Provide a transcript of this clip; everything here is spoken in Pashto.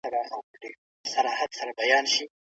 ټولنه به تر اوږدې مودې پورې سوله ساتلې وي.